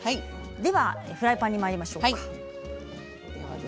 フライパンにまいりましょう。